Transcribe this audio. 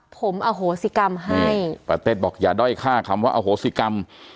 ผมอโหสิกรรมให้ปาเต็ดบอกอย่าด้อยค่าคำว่าอโหสิกรรม